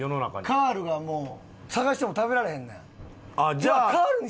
カールがもう探しても食べられへんねん。